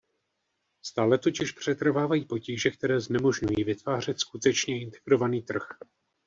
Stále totiž přetrvávají potíže, které znemožňují vytvářet skutečně integrovaný trh.